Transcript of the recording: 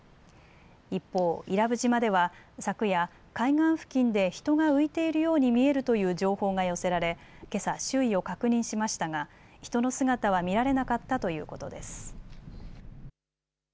一方、伊良部島では昨夜、海岸付近で人が浮いているように見えるという情報が寄せられけさ周囲を確認しましたが人の姿は見られなかったということです。